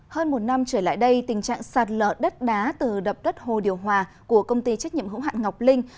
hơn một năm trở lại đây tình trạng sạt lở đất đá từ đập đất hồ điều hòa của công ty trách nhiệm hữu hạn ngọc linh